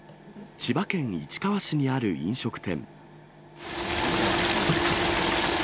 千葉県市川市にある飲食店。